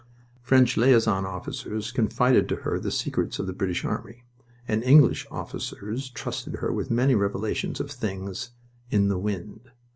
French liaison officers confided to her the secrets of the British army; and English officers trusted her with many revelations of things "in the wind."